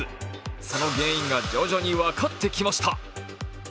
その原因が徐々に分かってきました。